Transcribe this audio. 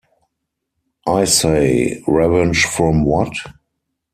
I say revenge from what?